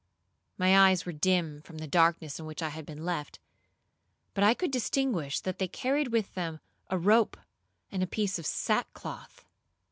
My eyes were dim from the darkness in which I had been left, but I could distinguish that they carried with them a rope and a piece of sackcloth.